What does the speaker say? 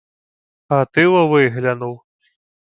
Гатило виглянув: